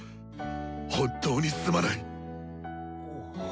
本当にすまない。